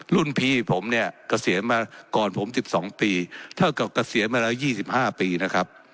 รุ่นพี่ผมเนี่ยเกษียณมาก่อนผม๑๒ปีเท่ากับเกษียณมาแล้ว๒๕ปีนะครับ